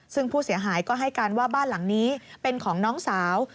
ซึ่งผู้เสียหายก็ให้การว่าบ้านหลังนี้เป็นของน้องสาว